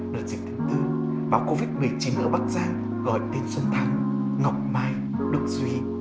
đợt dịch thứ tư báo covid một mươi chín ở bắc giang gọi đến xuân thắng ngọc mai đức duy